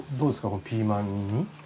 このピーマン煮？